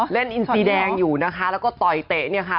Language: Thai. เล่นอินซีแดงอยู่นะคะแล้วก็ต่อยเตะเนี่ยค่ะ